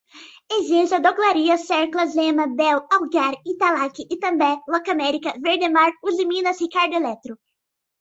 Egesa, Drogaria, Sercla, Zema, Bel, Algar, Italac, Itambé, Locamerica, Verdemar, Usiminas, Ricardo Eletro